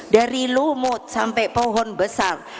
dari lumut sampai pohon besar